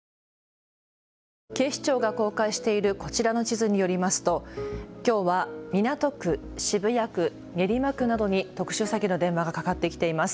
警視庁が公開しているこちらの地図によりますときょうは港区、渋谷区、練馬区などに特殊詐欺の電話がかかってきています。